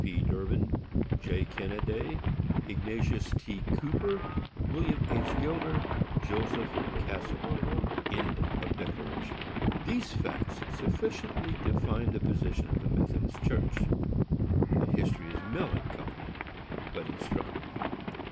P. DURBIN, } J. KENNADAY, } IGNATIUS T. COOPER, } Comm. WILLIAM H. GILDER, } JOSEPH CASTLE, } These facts sufficiently define the position of the Methodist Church. The history is melancholy, but instructive.